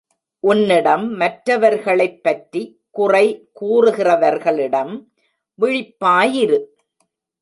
உன்னிடம் மற்றவர்களைப் பற்றி குறை கூறுகிறவர்களிடம் விழிப்பாயிரு.